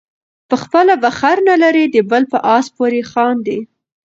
په خپله خر نلري د بل په آس پورې خاندي.